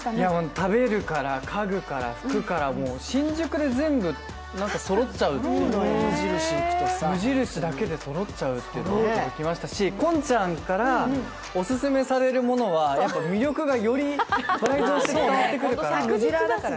食べるから家具から服から新宿で全部そろっちゃうっていう、無印だけでそろっちゃうということにも驚きましたし近ちゃんから、オススメされるものは魅力がより倍増して伝わってくるから。